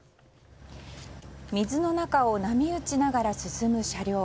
水の中を波打ちながら進む車両。